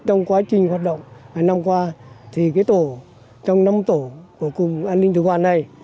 trong quá trình hoạt động năm qua trong năm tổ của cùng an ninh tự quản này